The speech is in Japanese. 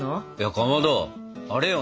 かまどあれよ